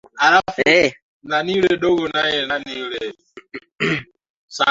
wa ujio wa Obama Watanzania tumepata kupumzika